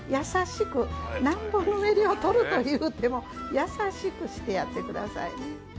なんぼぬめりを取るというても優しくしてやってくださいね。